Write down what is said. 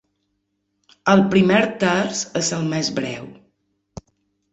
El primer terç és el més breu.